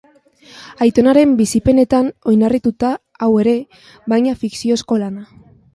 Aitonaren bizipenetan oinarrituta hau ere, baina fikziozko lana.